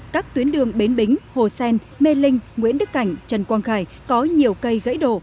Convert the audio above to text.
các tuyến đường bến bính hồ sen mê linh nguyễn đức cảnh trần quang khải có nhiều cây gãy đổ